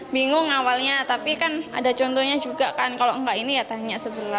bingung awalnya tapi kan ada contohnya juga kan kalau enggak ini ya tanya sebelah